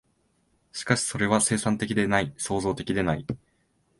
しかしそれは生産的でない、創造的でない。